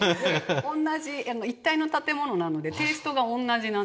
同じ一体の建物なのでテイストが同じなんですよ。